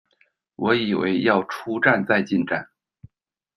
我以为要出站再进站